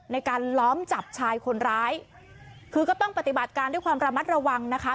ในการล้อมจับชายคนร้ายคือก็ต้องปฏิบัติการด้วยความระมัดระวังนะคะ